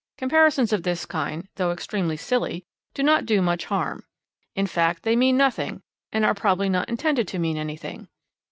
Comparisons of this kind, though extremely silly, do not do much harm. In fact, they mean nothing and are probably not intended to mean anything.